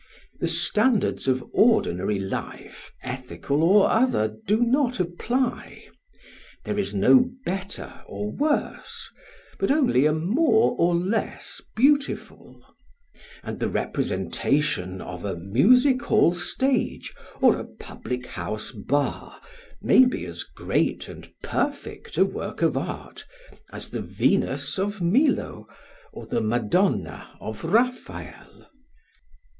The standards of ordinary life, ethical or other, do not apply; there is no better or worse, but only a more or less beautiful; and the representation of a music hall stage or a public house bar may be as great and perfect a work of art as the Venus of Milo or the Madonna of Raphael.